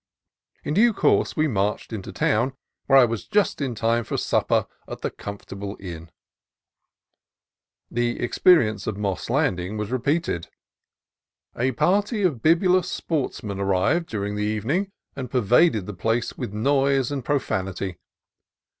In due course we marched into town, where I was just in time for supper at the comfortable inn. A BIBULOUS BANKER 237 The experience of Moss Landing was repeated. A party of bibulous sportsmen arrived during the evening and pervaded the place with noise and pro fanity.